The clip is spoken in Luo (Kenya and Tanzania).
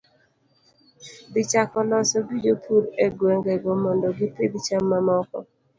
Dhi chako loso gi jopur egwengego mondo gipidh cham mamoko